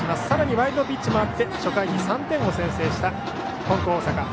さらにワイルドピッチもあって初回に３点を先制した金光大阪。